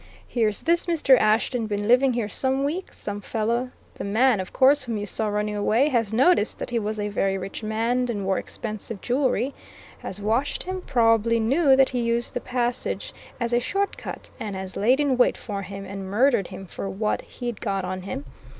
Here's this Mr. Ashton been living here some weeks some fellow, the man, of course, whom you saw running away, has noticed that he was a very rich man and wore expensive jewellery, has watched him, probably knew that he used that passage as a short cut, and has laid in wait for him and murdered him for what he'd got on him.